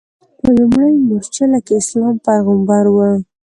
په لومړۍ مورچله کې اسلام پیغمبر و.